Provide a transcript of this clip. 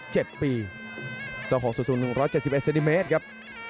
เจ้าของ๐๑๗๑เซนติเมตรครับ